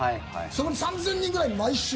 その３０００人くらい、毎週。